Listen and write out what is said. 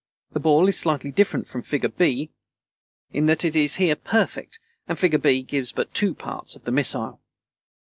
The ball is slightly different from figure B (supra), in that it is here perfect, and figure B gives but two parts of the missile.